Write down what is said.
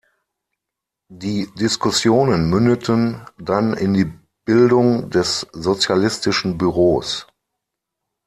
Die Diskussionen mündeten dann in die Bildung des Sozialistischen Büros.